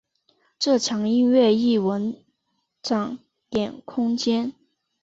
这墙音乐艺文展演空间。